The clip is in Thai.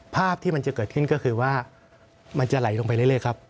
ภาพที่มันจะเกิดขึ้นก็คือว่ามันจะไหลลงไปเรื่อยครับ